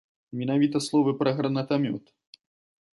Менавіта словы пра гранатамёт.